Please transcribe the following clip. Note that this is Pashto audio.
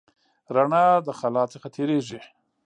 رڼا د خلا څخه تېرېږي.